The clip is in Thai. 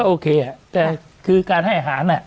โอเคแต่คือการให้อาหาร